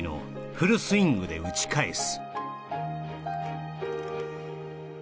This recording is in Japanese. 「フルスイングで打ち返す」